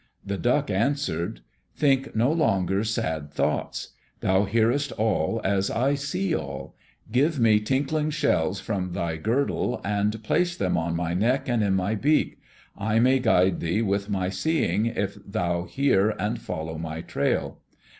The Duck answered: "Think no longer sad thoughts. Thou hearest all as I see all. Give me tinkling shells from thy girdle and place them on my neck and in my beak. I may guide thee with my seeing if thou hear and follow my trail.